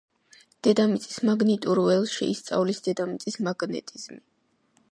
დედამიწის მაგნიტურ ველს შეისწავლის დედამიწის მაგნეტიზმი.